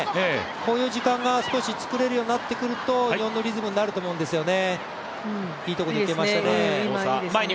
こういう時間が少し作れるようになってくると日本のリズムになると思うんですよね。